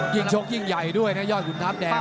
ชกยิ่งใหญ่ด้วยนะยอดขุนทัพแดง